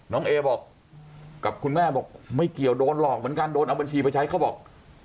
เอบอกกับคุณแม่บอกไม่เกี่ยวโดนหลอกเหมือนกันโดนเอาบัญชีไปใช้เขาบอก